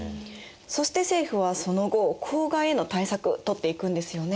そして政府はその後公害への対策とっていくんですよね？